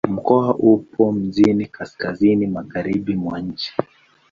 Mkoa upo mjini kaskazini-magharibi mwa nchi.